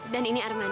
dan ini arman